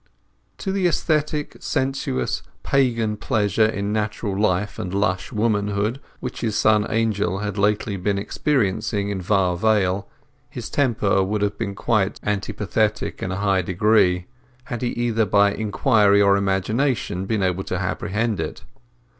To the aesthetic, sensuous, pagan pleasure in natural life and lush womanhood which his son Angel had lately been experiencing in Var Vale, his temper would have been antipathetic in a high degree, had he either by inquiry or imagination been able to apprehend it.